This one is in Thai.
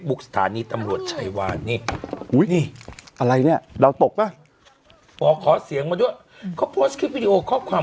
อุ้ยนี่อะไรเนี้ยเราตกป่ะบอกขอเสียงมาด้วยเขาความ